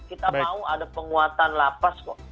kita mau ada penguatan lapas kok